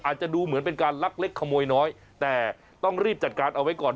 อาจจะดูเหมือนเป็นการลักเล็กขโมยน้อยแต่ต้องรีบจัดการเอาไว้ก่อน